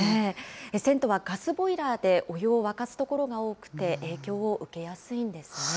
銭湯はガスボイラーでお湯を沸かすところが多くて影響を受けやすいんですね。